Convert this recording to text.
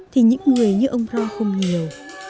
thì những người như ông ro không nhiều